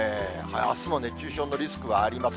あすも熱中症のリスクはあります。